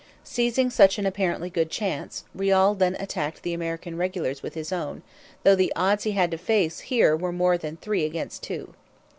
Seizing such an apparently good chance, Riall then attacked the American regulars with his own, though the odds he had to face here were more than three against two.